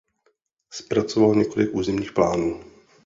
Zpracoval několik územních plánů.